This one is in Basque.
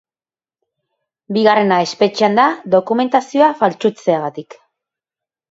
Bigarrena espetxean da dokumentazioa faltsutzeagatik.